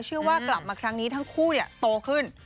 เชื่อว่ากลับมาครั้งนี้ทั้งคู่โตขึ้น